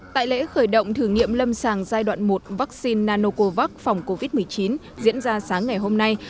tại lễ khởi động thử nghiệm lâm sàng giai đoạn một vaccine nanocovax phòng covid một mươi chín diễn ra sáng ngày hôm nay